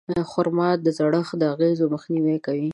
خرما د زړښت د اغېزو مخنیوی کوي.